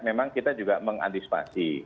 memang kita juga mengantisipasi